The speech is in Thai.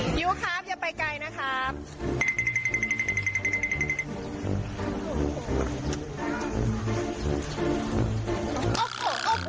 ยุครับอย่าไปไกลนะครับ